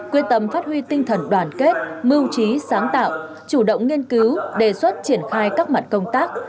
quyết tâm phát huy tinh thần đoàn kết mưu trí sáng tạo chủ động nghiên cứu đề xuất triển khai các mặt công tác